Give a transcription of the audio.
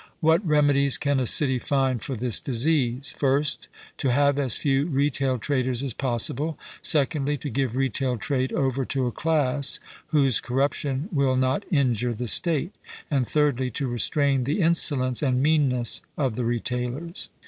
What remedies can a city find for this disease? First, to have as few retail traders as possible; secondly, to give retail trade over to a class whose corruption will not injure the state; and thirdly, to restrain the insolence and meanness of the retailers.